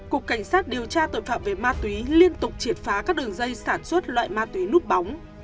cục cảnh sát điều tra tội phạm về ma túy liên tục triệt phá các đường dây sản xuất loại ma túy núp bóng